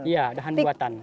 ya dahan buatan